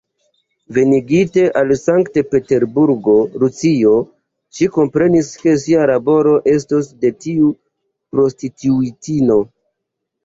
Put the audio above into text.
Venigite al Sankt-Peterburgo, Rusio, ŝi komprenis, ke ŝia laboro estos tiu de prostituitino.